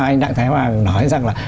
anh đặng thái hoàng nói rằng là